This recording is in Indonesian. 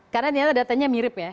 karena ternyata datanya mirip ya